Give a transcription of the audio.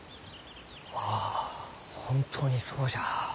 ああ本当にそうじゃ。